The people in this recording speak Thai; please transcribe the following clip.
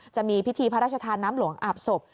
จะมีพิธีพระราชทานน้ำหลวงอาบศพ